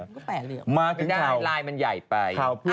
ก็แปะเหลี่ยวมาถึงเท่าเพื่อนที่ไม่ได้ลายมันใหญ่ไป